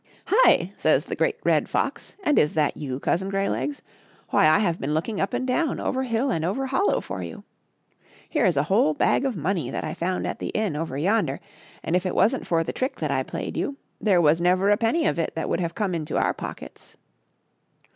"Hi!" says the Great Red Fox, " and is that you, Cousin Greylegs? Why, I have been looking up and down, over hill and over hollow for you. Here is a whole bag of money that I found at the inn over yonder, and if it wasn't for the trick that I played you, there was never a penny of it that would have come into our pockets."